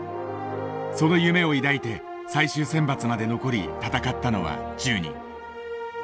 その夢を抱いて最終選抜まで残り闘ったのは１０人。